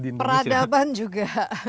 ternyata peradaban juga